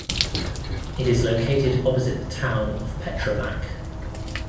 It is located opposite the town of Petrovac.